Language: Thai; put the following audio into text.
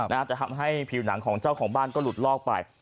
จะทำให้ผิวหนังของเจ้าของบ้านก็หลุดลอกไป